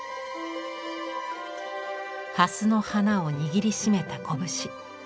ハスの花を握りしめた拳。